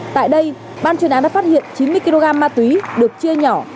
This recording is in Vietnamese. tại đây ban chuyên án đã phát hiện chín mươi kg ma túy được chia nhỏ